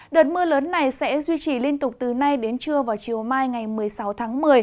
đợt mưa lớn này sẽ duy trì liên tục từ nay đến trưa vào chiều mai ngày một mươi sáu tháng một mươi